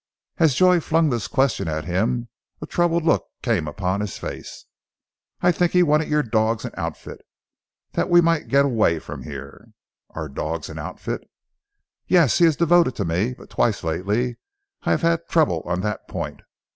As Joy flung this question at him, a troubled look came upon his face. "I think he wanted your dogs and outfit, that we might get away from here!" "Our dogs and outfit?" "Yes. He is devoted to me, but twice lately I have had trouble on that point.